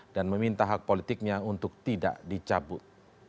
dan meminta hak politiknya untuk tidak dicabut